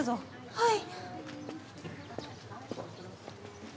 はい。